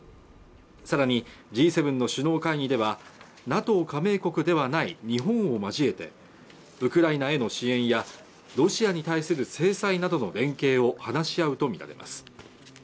さらにＧ７の首脳会議ではＮＡＴＯ加盟国ではない日本を交えてウクライナへの支援やロシアに対する制裁など連携を話し合うとみられます